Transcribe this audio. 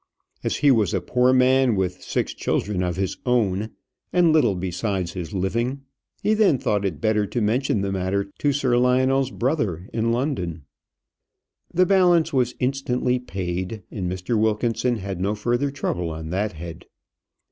As he was a poor man, with six children of his own, and little besides his living, he then thought it better to mention the matter to Sir Lionel's brother in London. The balance was instantly paid, and Mr. Wilkinson had no further trouble on that head.